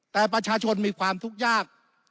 แต่ประชาชนมีความทุกข์ยาก